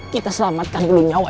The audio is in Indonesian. kita selamatkan dulu nyawa